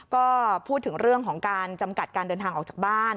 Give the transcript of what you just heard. ก็พูดถึงเรื่องของการจำกัดการเดินทางออกจากบ้าน